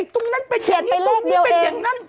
ตรงนั้นเป็นอย่างนั้นตรงนี้เป็นอย่างนั้น